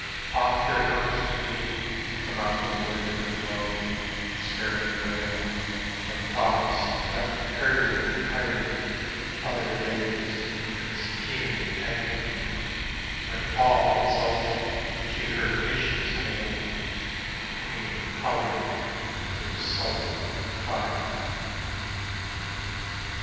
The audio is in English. Oft there comes to me From out the wood her low, despairing wail When thoughts of that imperial attire Of other days bring keener agou}^, When all exultant she heard nation's hail The queen of Color with her soul of fire.